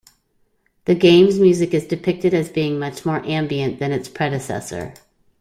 The game's music is depicted as being much more ambient than its predecessor.